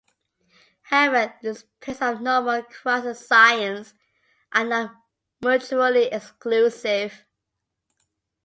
However, these periods of 'normal' and 'crisis' science are not mutually exclusive.